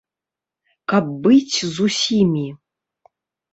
Каб быць з усімі?